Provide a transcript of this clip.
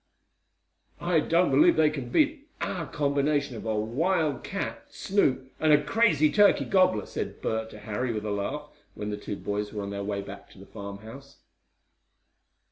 "I don't believe they can beat our combination of a wild cat, Snoop, and a crazy turkey gobbler," said Bert to Harry with a laugh, when the two boys were on their way back to the farmhouse.